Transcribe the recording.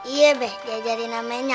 iya be diajari namanya